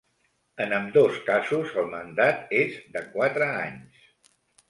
En ambdós casos, el mandat és de quatre anys.